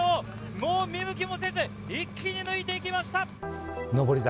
もう見向きもせず一気に抜いていきました